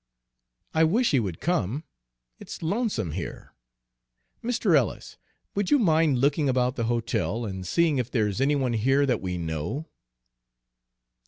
"I wish he would come. It's lonesome here. Mr. Ellis, would you mind looking about the hotel and seeing if there's any one here that we know?"